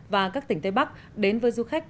và các tỉnh tây bắc đến với du khách